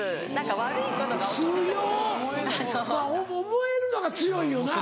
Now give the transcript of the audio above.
思えるのが強いよな。